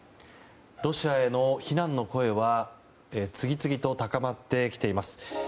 ロシアへの非難の声は次々と高まってきています。